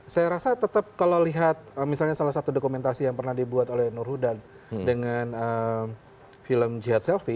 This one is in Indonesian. saya rasa tetap kalau lihat misalnya salah satu dokumentasi yang pernah dibuat oleh nur huda dengan film jihad selfie